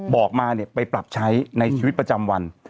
บอกมาไปปรับใช้ในชีวิตประจำวัน